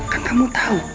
kan kamu tau